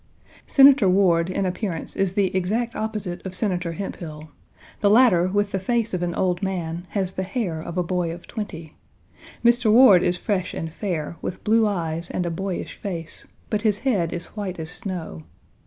Senator Ward in appearance is the exact opposite of Senator Hemphill. The latter, with the face of an old man, has the hair of a boy of twenty. Mr. Ward is fresh and fair, with blue eyes and a boyish face, but his head is white as snow.